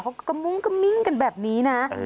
เขากระมุ้งกระมิ้งกันแบบนี้นะ